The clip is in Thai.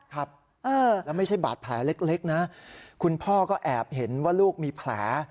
ครับแล้วไม่ใช่บาดแผลเล็กนะคุณพ่อก็แอบเห็นว่าลูกมีแผล